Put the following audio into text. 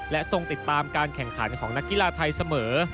และทรงติดตามการแข่งขันของนักกีฬาไทยเสมอ